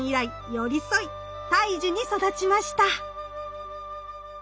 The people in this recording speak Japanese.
寄り添い大樹に育ちました。